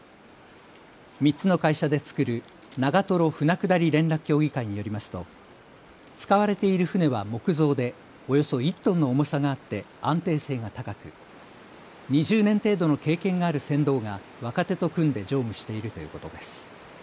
３つの会社で作る長瀞舟下り連絡協議会によりますと使われている舟は木造でおよそ１トンの重さがあって安定性が高く２０年程度の経験がある船頭が若手と組んで乗務しているということです。